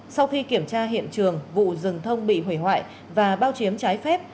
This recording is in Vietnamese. sau khi kiểm tra hiện trường vụ rừng thông bị hủy hoại và bao chiếm trái phép